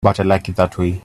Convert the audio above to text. But I like it that way.